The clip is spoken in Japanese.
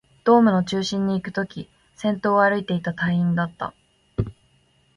ドームの中心にいくとき、先頭を歩いていた隊員だった